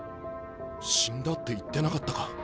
死んだって言ってなかったか？